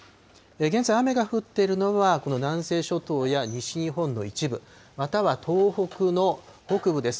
現在、雨が降っているのは、この南西諸島や西日本の一部、または東北の北部です。